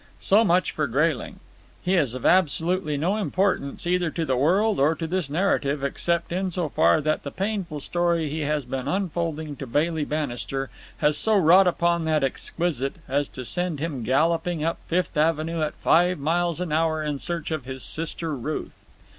So much for Grayling. He is of absolutely no importance, either to the world or to this narrative, except in so far that the painful story he has been unfolding to Bailey Bannister has so wrought upon that exquisite as to send him galloping up Fifth Avenue at five miles an hour in search of his sister Ruth.